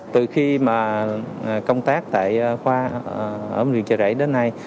từ khi công tác tại khoa ở bệnh viện chợ rẫy đến nay